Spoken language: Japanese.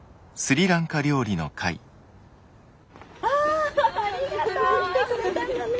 あありがとう！来てくれたんだね。